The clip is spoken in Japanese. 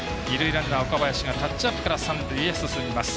ランナー岡林がタッチアップから三塁へ進みます。